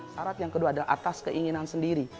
syarat yang kedua adalah atas keinginan sendiri